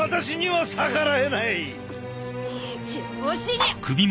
調子に。